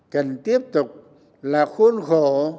cần tiếp tục là khuôn khổ